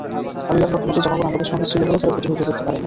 আল্লাহর রহমতে জনগণ আমাদের সঙ্গে ছিল বলে তারা প্রতিহত করতে পারে নাই।